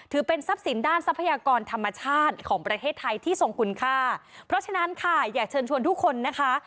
ทรัพย์สินด้านทรัพยากรธรรมชาติของประเทศไทยที่ทรงคุณค่าเพราะฉะนั้นค่ะอยากเชิญชวนทุกคนนะคะ